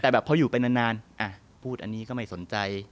แต่แบบพออยู่ไปนานพูดอันนี้ก็ไม่สนใจ